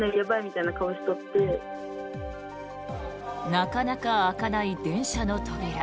なかなか開かない電車の扉。